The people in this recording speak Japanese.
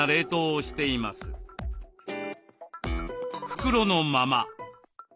袋のまま。